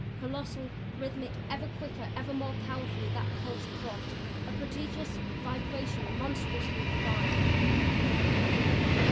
Colossal, rhythmic, ever quicker, ever more powerfully that pulse throbbed a prodigious vibration monstrously alive.